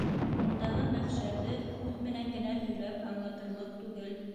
Ундағы мәхшәрҙе һүҙ менән генә һөйләп аңлатырлыҡ түгел.